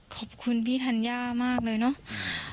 ขอบคุณพี่ธัญญามากเลยเนาะ